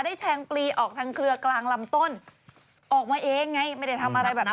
แทงปลีออกทางเครือกลางลำต้นออกมาเองไงไม่ได้ทำอะไรแบบนั้น